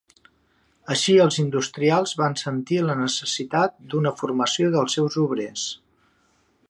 Així els industrials van sentir la necessitat d'una formació dels seus obrers.